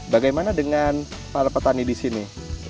bagaimana dengan para petani di sini